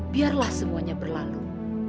biarlah semuanya berlalu